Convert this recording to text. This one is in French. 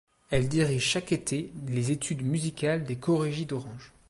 Elle dirige chaque été les études musicales des Chorégies d'Orange.